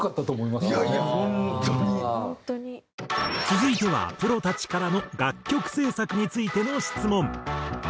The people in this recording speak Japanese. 続いてはプロたちからの楽曲制作についての質問。